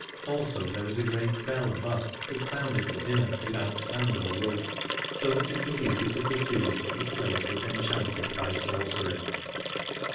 Also there was a great bell above that sounded to dinner with out hand or rope : so that it was easy to perceive that the place was enchanted by sorcery.